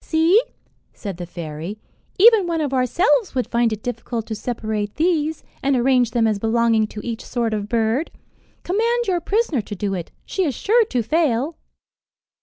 "See," said the fairy, "even one of ourselves would find it difficult to separate these, and arrange them as belonging to each sort of bird. Command your prisoner to do it; she is sure to fail."